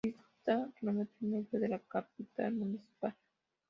Dista kilómetro y medio de la capital municipal.